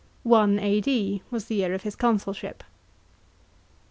1 A.D. was the year of his consulship.